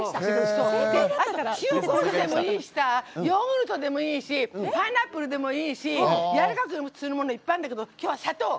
塩こうじでもいいしヨーグルトでもいいしパイナップルでもいいしやわらかくするものいっぱいあるんだけど今日は砂糖。